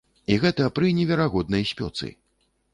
І гэта пры неверагоднай спёцы.